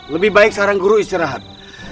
lebih baik seorang guru istirahat